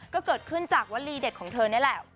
ก็เกิดขึ้นจากวลีเด็ดของเธอนี่แหละ